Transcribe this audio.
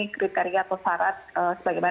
kriteria atau syarat sebagaimana